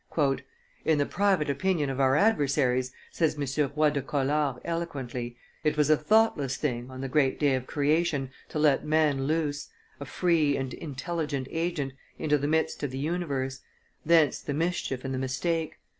"In the private opinion of our adversaries," says M. Roy de Collard eloquently, "it was a thoughtless thing, on the great day of creation, to let man loose, a free and intelligent agent, into the midst of the universe; thence the mischief and the mistake.